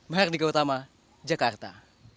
maharnika utama jakarta